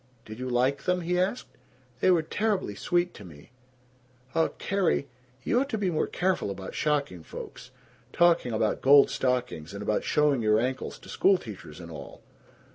"Did you like them?" he asked. "They were terribly sweet to me." "Uh, Carrie You ought to be more careful about shocking folks. Talking about gold stockings, and about showing your ankles to schoolteachers and all!"